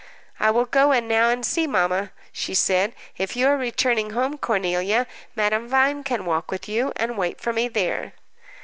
"I will go in now and see mamma," she said. "If you are returning home, Cornelia, Madame Vine can walk with you, and wait for me there."